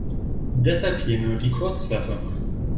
Deshalb hier nur die Kurzfassung.